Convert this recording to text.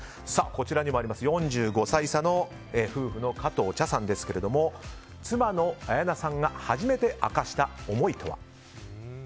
こちらの４５歳夫婦の加藤茶さんですが妻の綾菜さんが初めて明かした思いとは。